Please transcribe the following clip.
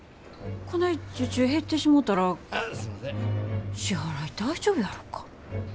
こない受注減ってしもたら支払い大丈夫やろか。